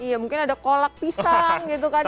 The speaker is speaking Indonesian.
iya mungkin ada kolak pisang gitu kan ya di sana